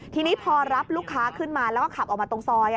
ทีนี้พอรับลูกค้าขึ้นมาแล้วก็ขับออกมาตรงซอย